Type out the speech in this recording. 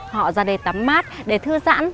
họ ra đây tắm mát để thư giãn